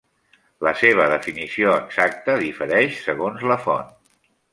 La seva definició exacta difereix segons la font.